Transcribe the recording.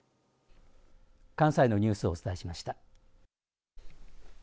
関西のニュースをお伝えしました。